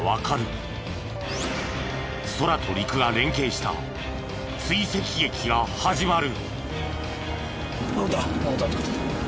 空と陸が連携した追跡劇が始まる。